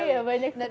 iya banyak sekali